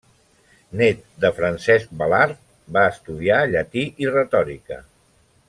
Nét de Francesc Balart, va estudiar llatí i retòrica.